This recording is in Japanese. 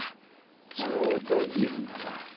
ちょうど２分だな。